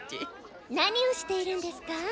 何をしているんですか？